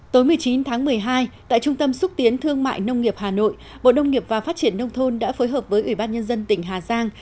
tối một mươi chín tháng một mươi hai tại trung tâm xúc tiến thương mại nông nghiệp hà nội bộ nông nghiệp và phát triển nông thôn đã phối hợp với ủy ban nhân dân tỉnh hà giang